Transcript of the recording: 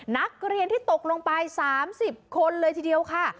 นักเรียนที่ตกลงไป๓๐คนเลยทีเดียวค่ะ